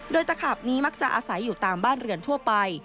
โดยตะขาบนี้มักจะอาศัยอยู่ตามบ้านเรือนทั่วไป